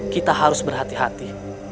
kita harus berhati hati